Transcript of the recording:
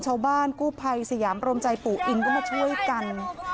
ชาวบ้านกู้ภัยสยามโรมใจปู่อินก็มาช่วยกัน